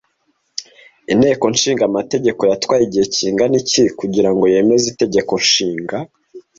Inteko ishinga amategeko yatwaye igihe kingana iki kugira ngo yemeze Itegeko Nshinga